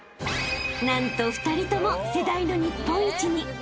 ［何と２人とも世代の日本一に］